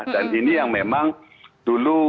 dan ini yang memang dulu